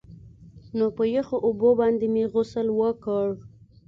نو په يخو اوبو باندې مې غسل وکړ.